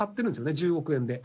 １０億円で。